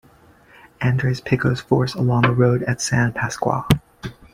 Andres Pico's force along the road at San Pasqual.